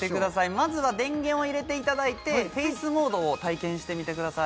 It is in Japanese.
まずは電源を入れていただいてＦＡＣＥモードを体験してみてください